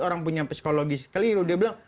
orang punya psikologis keliru dia bilang